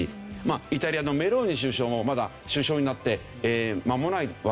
イタリアのメローニ首相もまだ首相になって間もないわけですよね。